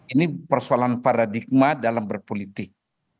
ini persoalan paradigma dalam berpolitik